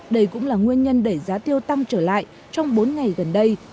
đây cũng là nguyên nhân đẩy giá tiêu tăng trở lại trong bốn ngày gần đây